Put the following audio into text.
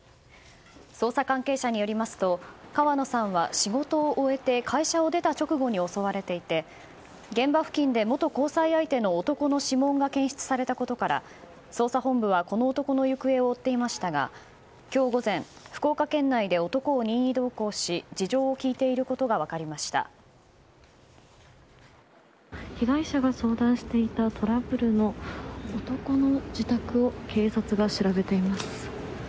捜査関係者によりますと川野さんは、仕事を終えて会社を出た直後に襲われていて現場付近で元交際相手の男の指紋が検出されたことから捜査本部はこの男の行方を追っていましたが今日午前福岡県内で男を任意同行し事情を聴いていることが被害者が相談していたトラブルの男の自宅を警察が調べています。